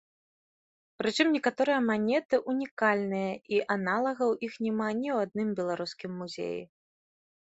Прычым некаторыя манеты ўнікальныя і аналагаў іх няма ні ў адным беларускім музеі.